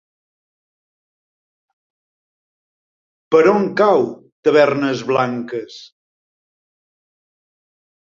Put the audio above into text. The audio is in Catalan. Per on cau Tavernes Blanques?